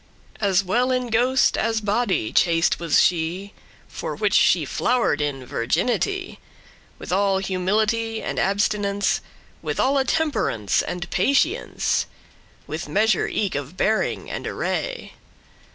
As well in ghost* as body chaste was she: *mind, spirit For which she flower'd in virginity, With all humility and abstinence, With alle temperance and patience, With measure* eke of bearing and array.